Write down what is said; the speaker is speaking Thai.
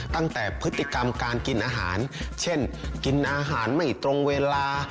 ตั้งแต่พฤติกรรมการกินอาหารเช่นกินอาหารไม่ตรงเวลา